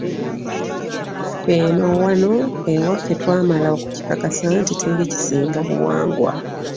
Ffe nno wano ewaffe twamala okukikakasa nti teri kisinga buwangwa.